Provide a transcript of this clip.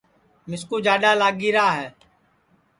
مِسکُو جاڈؔا لگی را ہے